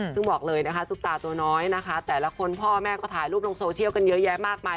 ซึ่งบอกเลยนะคะซุปตาตัวน้อยนะคะแต่ละคนพ่อแม่ก็ถ่ายรูปลงโซเชียลกันเยอะแยะมากมาย